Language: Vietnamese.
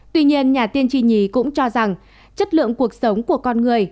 tuy nhiên nhà tiên tri nhì cũng cho rằng chất lượng cuộc sống của con người